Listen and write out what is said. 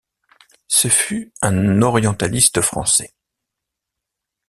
Ce fut un orientaliste français.